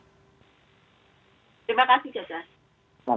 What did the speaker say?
terima kasih cokras